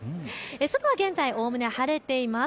外は現在、おおむね晴れています。